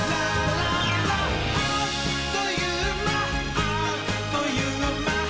「あっというまっ！